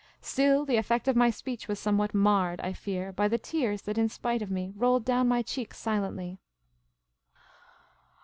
Still the effect of my speech was somewhat marred, I fear, by the tears that in spite of me rolled down my cheek silently.